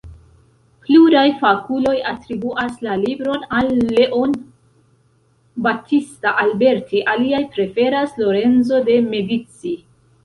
Pluraj fakuloj atribuas la libron al Leon Battista Alberti, aliaj preferas Lorenzo de Medici.